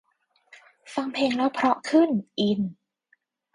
ฟังเพลงแล้วเพราะขึ้น อิน